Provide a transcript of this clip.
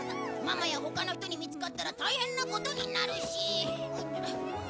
ママや他の人に見つかったら大変なことになるし。